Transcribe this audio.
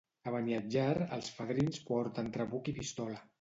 A Beniatjar, els fadrins porten trabuc i pistola.